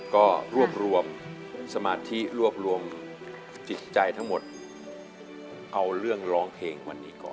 ก็รวบรวมสมาธิรวบรวมจิตใจทั้งหมดเอาเรื่องร้องเพลงวันนี้ก่อน